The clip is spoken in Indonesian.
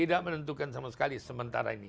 tidak menentukan sama sekali sementara ini